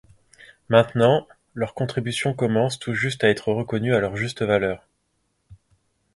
Maintenant, leurs contributions commencent tout juste à être reconnues à leur juste valeur.